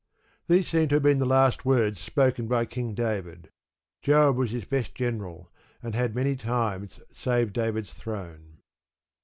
These seem to have been the last words spoken by King David. Joab was his best general, and had many times saved David's throne.